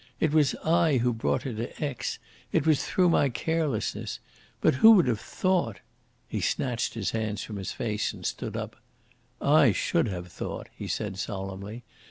It was I who brought her to Aix. It was through my carelessness. But who would have thought ?" He snatched his hands from his face and stood up. "I should have thought," he said solemnly.